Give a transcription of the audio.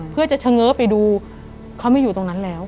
เพื่อจะเฉง้อไปดูเขาไม่อยู่ตรงนั้นแล้ว